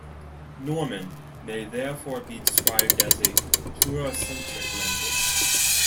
Norman may therefore be described as a pluricentric language.